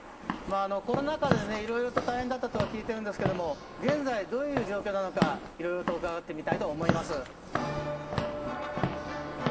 コロナ禍で大変だったとは聞いているんですけど現在どういう状況なのかいろいろと伺ってみたいと思います。